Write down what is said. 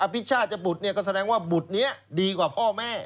พิชาจะบุตรก็แสดงว่าบุตรนี้ดีกว่าพ่อแม่